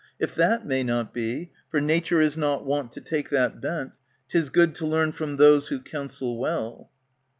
If that may not be, (For nature is not wont to take that bent,) 'Tis good to learn from those who counsel well.